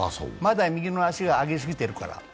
まだ右の足が上げすぎているから。